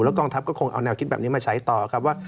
กองทัพก็คงเอาแนวคิดแบบนี้มาใช้ต่อครับว่า